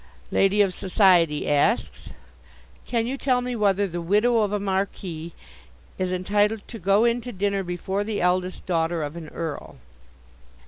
Lady of Society asks: Can you tell me whether the widow of a marquis is entitled to go in to dinner before the eldest daughter of an earl?